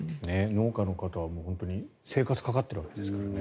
農家の方は生活がかかっているわけですからね。